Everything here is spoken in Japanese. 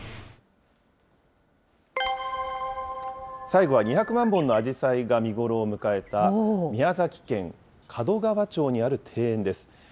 最後は、２００万本のアジサイが見頃を迎えた、宮崎県門川町にある庭園です。